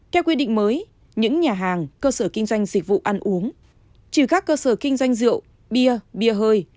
theo quy định mới những nhà hàng cơ sở kinh doanh dịch vụ ăn uống trừ các cơ sở kinh doanh rượu bia bia hơi